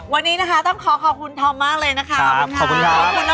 วันนี้นะคะต้องขอขอบคุณทอมมากเลยนะคะขอบคุณทอมขอบคุณละครจ้า